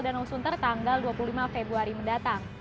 danau sunter tanggal dua puluh lima februari mendatang